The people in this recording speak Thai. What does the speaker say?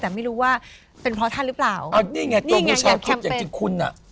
แต่ไม่รู้ว่าเป็นเพราะท่านหรือเปล่านี่ไงตรงเช้าทุกข์อย่างจริงคุณน่ะ